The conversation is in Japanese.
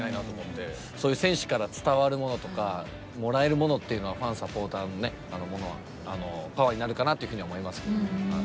そういう選手から伝わるものとかもらえるものっていうのはファンサポーターのものはパワーになるかなってふうに思います。